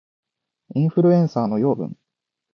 インフルエンサーの養分